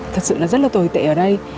thật sự là rất là tồi tệ ở đây